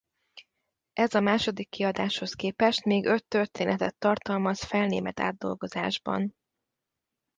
Ez a második kiadáshoz képest még öt történetet tartalmaz felnémet átdolgozásban.